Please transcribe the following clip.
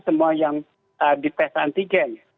semua yang di test antigen